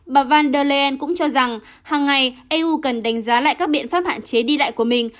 bà van der leyen cũng cho rằng hàng ngày eu cần đánh giá lại các biện pháp hạn chế đi lại của mình